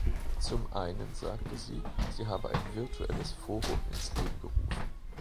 Zum einen sagte sie, sie habe ein virtuelles Forum ins Leben gerufen.